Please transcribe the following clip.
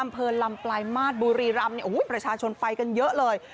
อำเภอลำปลายมาสบุรีรำประชาชนไปกันเยอะเลย